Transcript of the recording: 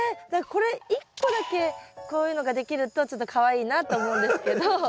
何かこれ一個だけこういうのができるとちょっとかわいいなって思うんですけど。